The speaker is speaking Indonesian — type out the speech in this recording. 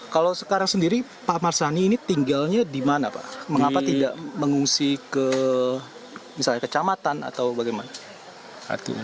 kalau sekarang sendiri pak marsani ini tinggalnya di mana pak mengapa tidak mengungsi ke misalnya kecamatan atau bagaimana